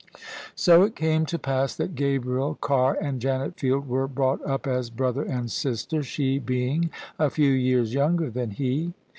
So it came to pass that Gabriel Carr and Janet Field were brought up as brother and sister, she being a few years yoimger than he.